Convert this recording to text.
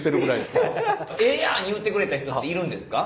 言うてくれた人っているんですか？